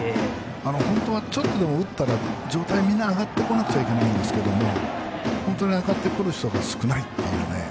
本当はちょっとでも打ったら状態、上がってこなきゃいけないんですけど上がってくる人が少ないというね。